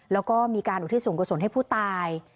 แล้วก็มีการอุทิศส่วนกุศลให้ผู้ตาย